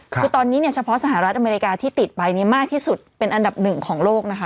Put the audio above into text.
คือตอนนี้เนี่ยเฉพาะสหรัฐอเมริกาที่ติดไปมากที่สุดเป็นอันดับหนึ่งของโลกนะคะ